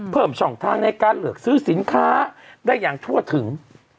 เพิ่มช่องทางในการเลือกซื้อสินค้าได้อย่างทั่วถึง